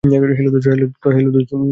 Hello, দোস্ত!